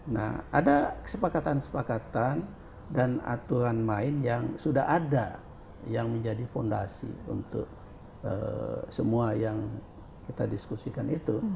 nah ada kesepakatan kesepakatan dan aturan main yang sudah ada yang menjadi fondasi untuk semua yang kita diskusikan itu